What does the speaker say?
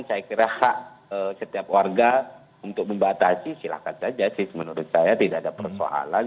saya kira hak setiap warga untuk membatasi silakan saja sih menurut saya tidak ada persoalan